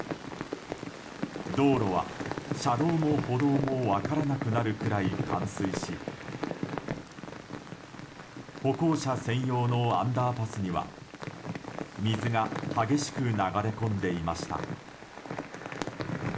道路は車道も歩道も分からなくなるくらい冠水し歩行者専用のアンダーパスには水が激しく流れ込んでいました。